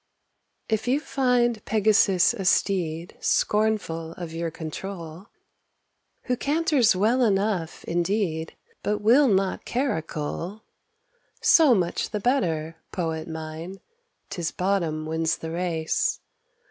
If you find Pegasus a steed Scornful of your control, Who canters well enough, indeed, But will not caracole, So much the better, poet mine, 'Tis bottom wins the race.